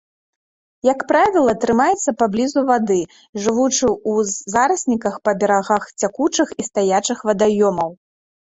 Як правіла, трымаецца паблізу вады, жывучы ў зарасніках па берагах цякучых і стаячых вадаёмаў.